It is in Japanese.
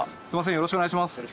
よろしくお願いします。